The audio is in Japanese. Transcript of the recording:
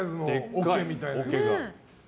でかい、おけが。